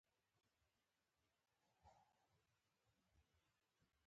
لانجې په جرګو حل کېږي.